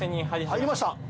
入りました。